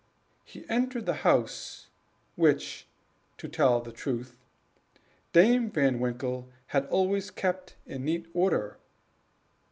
He entered the house, which, to tell the truth, Dame Van Winkle had always kept in neat order.